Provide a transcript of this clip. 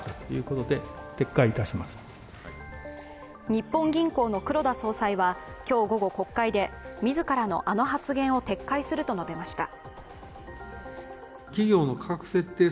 日本銀行の黒田総裁は今日午後、国会で自らの、あの発言を撤回すると述べました。